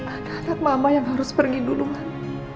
ada anak mama yang harus pergi duluan